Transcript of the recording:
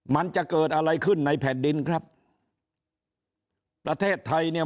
มันจะเกิดอะไรขึ้นในแผ่นดินครับประเทศไทยเนี่ย